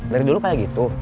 dari dulu kayak gitu